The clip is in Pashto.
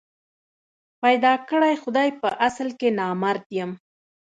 پيدا کړی خدای په اصل کي نامراد یم